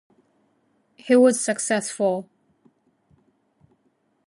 He was successful.